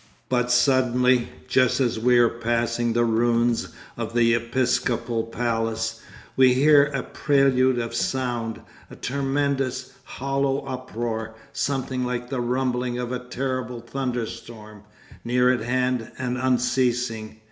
But suddenly, just as we are passing the ruins of the episcopal palace, we hear a prelude of sound, a tremendous, hollow uproar, something like the rumbling of a terrible thunderstorm, near at hand and unceasing.